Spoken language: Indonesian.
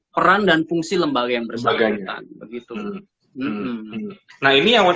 peran dan fungsi lembaga yang bersangkutan